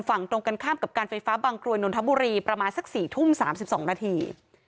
ฝั่งตรงกันข้ามกับการไฟฟ้าบางกรวยนนทบุรีประมาณสัก๔ทุ่ม๓๒นาที